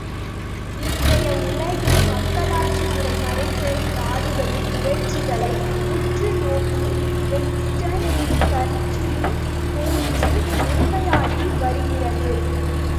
இன்றைய உலகில் மக்களாட்சி முறை நடைபெறும் நாடுகளின் நிகழ்ச்சிகளை உற்று நோக்கின் வின்ஸ்டன் சர்ச்சிலின் கூற்று உண்மையாகி வருகிறது.